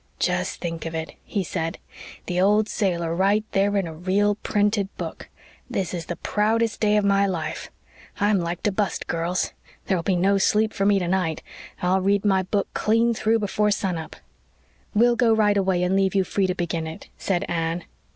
"Just think of it," he said, "the old sailor right there in a real printed book. This is the proudest day of my life. I'm like to bust, girls. There'll be no sleep for me tonight. I'll read my book clean through before sun up." "We'll go right away and leave you free to begin it," said Anne.